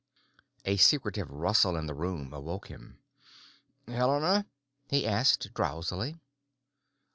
A secretive rustle in the room awoke him. "Helena?" he asked drowsily.